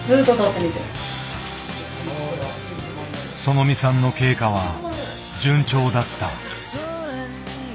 そのみさんの経過は順調だった。